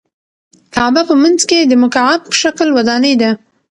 کعبه په منځ کې د مکعب په شکل ودانۍ ده.